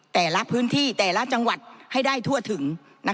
แต่ละพื้นที่แต่ละจังหวัดให้ได้ทั่วถึง